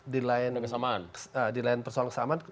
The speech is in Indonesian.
dilayan persoalan kesamaan